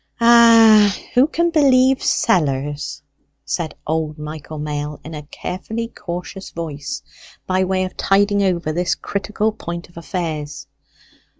"Ah, who can believe sellers!" said old Michael Mail in a carefully cautious voice, by way of tiding over this critical point of affairs.